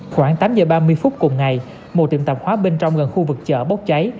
khoảng tám giờ ba mươi phút cùng ngày một tiệm tạp hóa bên trong gần khu vực chợ bốc cháy